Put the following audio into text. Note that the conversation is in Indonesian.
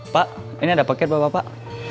pak ini ada paket bapak